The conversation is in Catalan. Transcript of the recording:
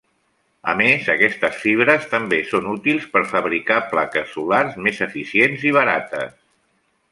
A més, aquestes fibres també són útils per fabricar plaques solars més eficients i barates.